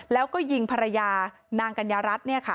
แล้วก็ยิงภรรยานางกัญญารัฐ